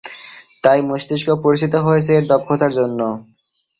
তাই মস্তিষ্ক পরিচিত হয়েছে এর দক্ষতার জন্য।